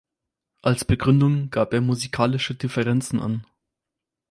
Als Begründung gab er musikalische Differenzen an.